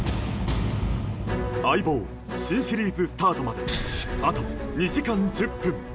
「相棒」新シリーズスタートまであと２時間１０分。